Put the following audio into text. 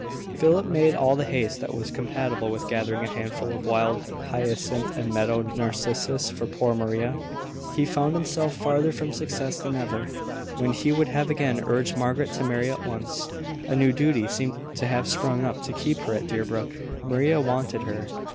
Philip made all the haste that was compatible with gathering a handful of wild hyacinth and meadow narcissus for poor Maria. He found himself farther from success than ever, when he would have again urged Margaret to marry at once. A new duty seemed to have sprung up to keep her at Deerbrook. Maria wanted her.